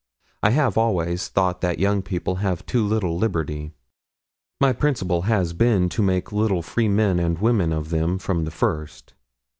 I have always thought that young people have too little liberty. My principle has been to make little free men and women of them from the first.